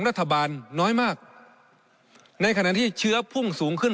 รัฐบาลน้อยมากในขณะที่เชื้อพุ่งสูงขึ้น